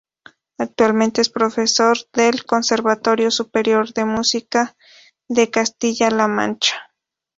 Actualmente es profesor del Conservatorio Superior de Música de Castilla-La Mancha.